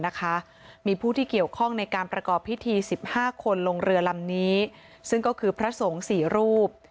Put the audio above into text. นะคะมีผู้ที่เกี่ยวข้องในการประกอบพิธี๑๕คนลงเรือลำนี้ซึ่งก็คือพระสงฆ์สี่รูป